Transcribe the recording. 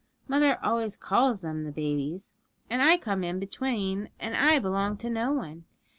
Mother always calls them the babies, and I come in between, and I belong to no one.